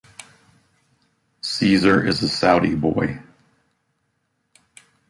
Cesar is a Saudi boy.